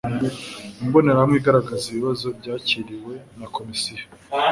imbonerahamwe igaragaza ibibazo byakiriwe na komisiyo